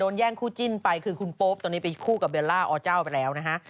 แล้วสึกผิดกลับเลย